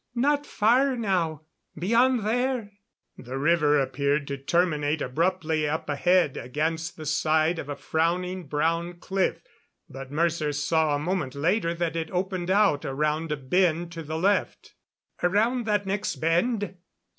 "Not far now beyond there." The river appeared to terminate abruptly up ahead against the side of a frowning brown cliff, but Mercer saw a moment later that it opened out around a bend to the left. "Around that next bend?"